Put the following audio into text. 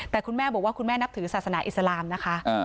แต่คุณแม่บอกว่าคุณแม่นับถือศาสนาอิสลามนะคะ